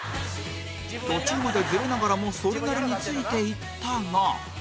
途中までズレながらもそれなりについていったが